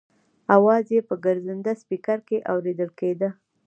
اواز یې په ګرځنده سپېکر کې اورېدل کېده.